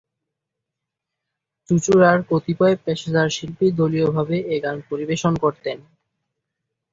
চুঁচুড়ার কতিপয় পেশাদার শিল্পী দলীয়ভাবে এ গান পরিবেশন করতেন।